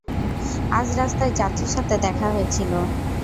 আজ রাস্তায় চাচির সাথে দেখা হয়েছিল।